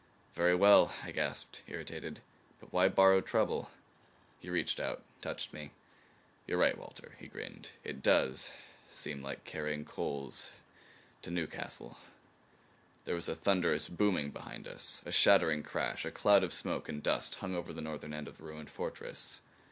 "Very well," I gasped, irritated. "But why borrow trouble?" He reached out, touched me. "You're right, Walter," he grinned. "It does seem like carrying coals to Newcastle." There was a thunderous booming behind us; a shattering crash. A cloud of smoke and dust hung over the northern end of the ruined fortress.